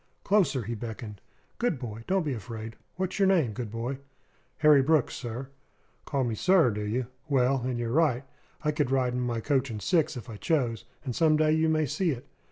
"Closer!" he beckoned. "Good boy, don't be afraid. What's your name, good boy?" "Harry Brooks, sir." "Call me 'sir,' do you? Well, and you're right. I could ride in my coach and six if I chose; and some day you may see it.